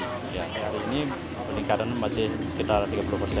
sampai hari ini peningkatan masih sekitar tiga puluh persen